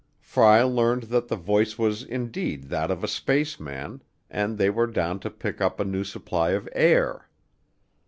Fry learned that the voice was indeed that of a spaceman and they were down to pick up a new supply of air.